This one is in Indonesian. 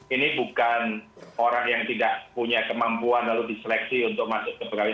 ini bukan orang yang tidak punya kemampuan lalu diseleksi untuk masuk ke pegawai